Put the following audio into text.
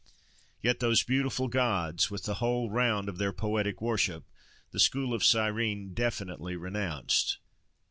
Yet those beautiful gods, with the whole round of their poetic worship, the school of Cyrene definitely renounced.